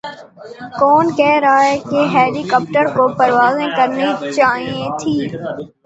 کون کہہ رہاہے کہ ہیلی کاپٹروں کو پروازیں کرنی چائیں تھیں۔